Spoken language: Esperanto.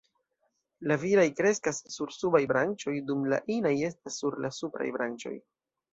La viraj kreskas sur subaj branĉoj, dum la inaj estas sur la supraj branĉoj.